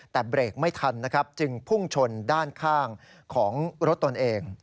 แต่เบรกไม่ทันนะครับจึงพุ่งชนด้านข้างของรถตนเอง